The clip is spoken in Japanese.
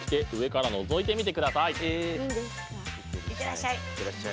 行ってらっしゃい！